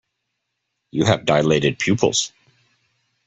You have dilated pupils.